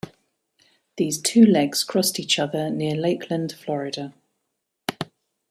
These two legs crossed each other near Lakeland, Florida.